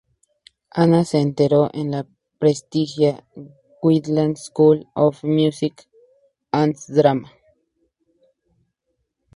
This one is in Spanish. Anna se entrenó en la prestigiosa "Guildhall School of Music and Drama".